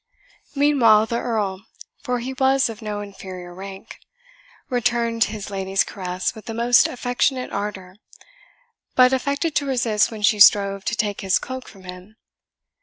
Meanwhile the Earl, for he was of no inferior rank, returned his lady's caress with the most affectionate ardour, but affected to resist when she strove to take his cloak from him.